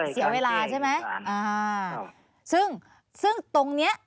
เสียเวลาใช่ไหมอ่าซึ่งซึ่งตรงเนี้ย